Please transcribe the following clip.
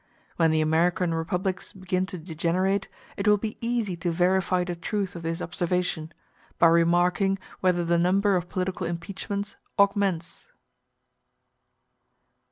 When the American republics begin to degenerate it will be easy to verify the truth of this observation, by remarking whether the number of political impeachments augments.